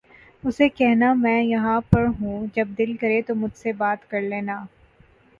اسے کہنا ماں یہاں پر ہوں جب دل کرے تو مجھ سے بات کر لینا